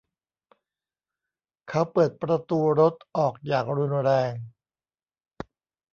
เขาเปิดประตูรถออกอย่างรุนแรง